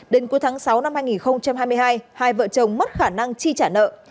đến cuối tháng sáu năm hai nghìn hai mươi hai hai vợ chồng mất khả năng chi trả nợ